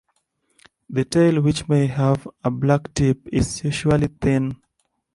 The tail, which may have a black tip, is usually thin.